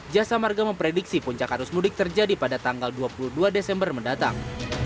jasa marga memprediksi puncak arus mudik terjadi pada tanggal dua puluh dua desember mendatang